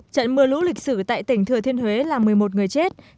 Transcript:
trận mưa lũ lịch sử tại tỉnh thừa thiên huế làm một mươi một người chết